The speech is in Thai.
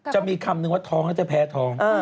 จะมีคำนึงว่าท้องแล้วจะแพ้ท้อง